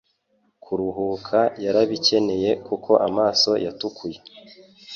kuruhuka yarabikeneye kuko amaso yatukuye